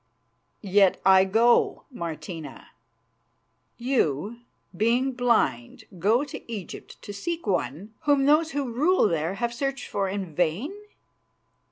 "Yet I go, Martina." "You, being blind, go to Egypt to seek one whom those who rule there have searched for in vain.